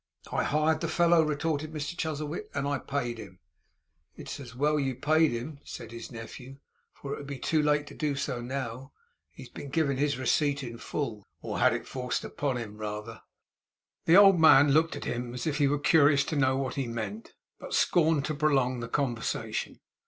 'I hired the fellow,' retorted Mr Chuzzlewit, 'and I paid him.' 'It's well you paid him,' said his nephew, 'for it would be too late to do so now. He has given his receipt in full; or had it forced from him rather.' The old man looked at him as if he were curious to know what he meant, but scorned to prolong the conversation.